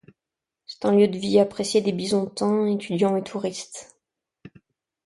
C'est un lieu de vie apprécié des Bisontins, étudiants et touristes.